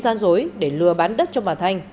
gian dối để lừa bán đất cho bà thanh